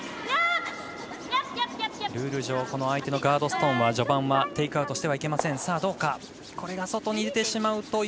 ルール上相手のガードストーンは序盤はテイクアウトしてはいけません。